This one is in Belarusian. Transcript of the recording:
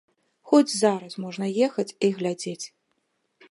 Хоць зараз можна ехаць і глядзець!